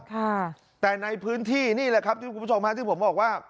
ค่ะแต่ในพื้นที่นี่แหละครับที่คุณผู้ชมฮะที่ผมบอกว่า